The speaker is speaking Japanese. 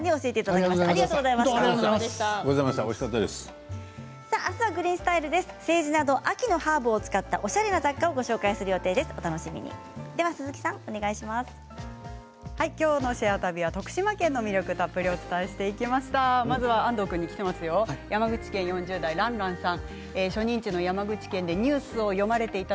きょうの「シェア旅」は徳島県の魅力をたっぷりお伝えしました。